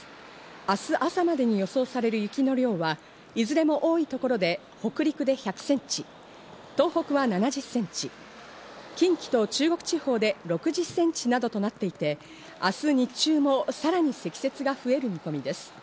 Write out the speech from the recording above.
明日朝までに予想される雪の量は、いずれも多い所で北陸で１００ｃｍ、東北は７０ｃｍ、近畿と中国地方で６０センチなどとなっていて、明日日中もさらに積雪が増える見込みです。